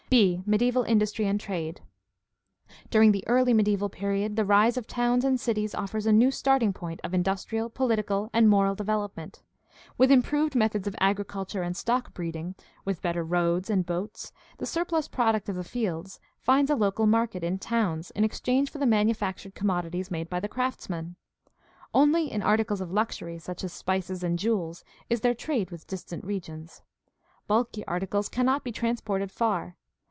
b) Mediaeval industry and trade. — ^During the early mediaeval period the rise of towns and cities offers a new starting point of industrial, political, and moral development. With improved methods of agriculture and stock breeding, with better roads and boats, the surplus product of the fields finds a local market in towns in exchange for the manufactured commodities made by the craftsmen. Only in articles of luxury, such as spices and jewels, is there trade with distant regions. Bulky articles cannot be transported far.